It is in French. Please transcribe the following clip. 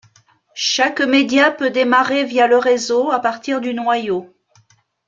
Chaque média peut démarrer via le réseau à partir du noyau.